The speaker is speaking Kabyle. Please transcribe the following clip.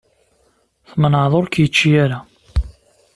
Tmenɛeḍ ur k-yečči ara.